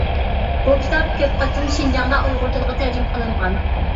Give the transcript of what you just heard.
بۇ كىتاب كۆپ قېتىم شىنجاڭدا ئۇيغۇر تىلىغا تەرجىمە قىلىنغان.